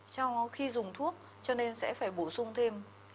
sau khi dùng thuốc cho nên sẽ phải bổ sung thêm